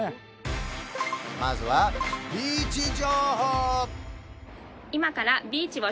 まずはビーチ情報！